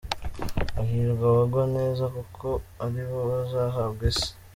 Hahirwa abagwa neza, Kuko ari bo bazahabwa isi